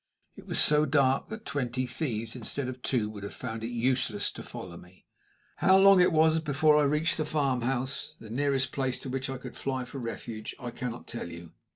It was so dark that twenty thieves instead of two would have found it useless to follow me. How long it was before I reached the farmhouse the nearest place to which I could fly for refuge I cannot tell you.